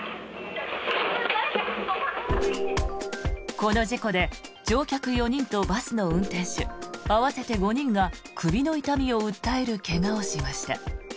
この事故で、乗客４人とバスの運転手合わせて５人が首の痛みを訴える怪我をしました。